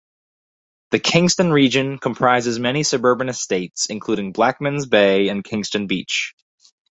The Kingston region comprises many suburban estates, including Blackmans Bay and Kingston Beach.